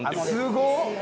すごっ！